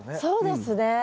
そうですね。